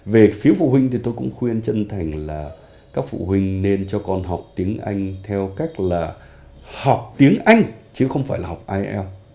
về phiếu phụ huynh thì tôi cũng khuyên chân thành là các phụ huynh nên cho con học tiếng anh theo cách là học tiếng anh chứ không phải là học ielts